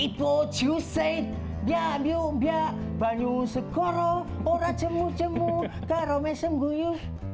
ipoh cu seit bia miu mbia ban yu se korro ora cemu cemu karo me sem guyu